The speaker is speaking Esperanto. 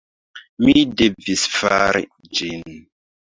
Mi devis fari ĝin.